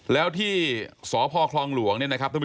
แล้วที่สพครองหลวง